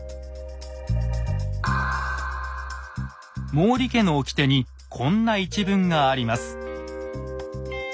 毛利家の掟にこんな一文があります。